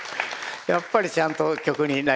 やっぱりちゃんと曲になりましたね。